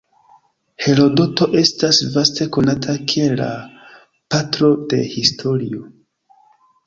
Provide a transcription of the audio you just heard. Herodoto estas vaste konata kiel la "patro de historio".